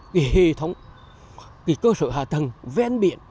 cái hệ thống cái cơ sở hạ tầng ven biển